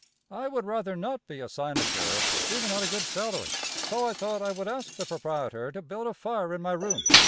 I would rather not be a cynosure, even at a good salary; so I thought I would ask the proprietor to build a fire in my room.